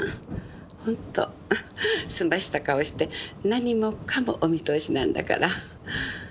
ホント澄ました顔して何もかもお見通しなんだから。